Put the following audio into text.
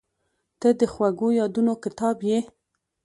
• ته د خوږو یادونو کتاب یې.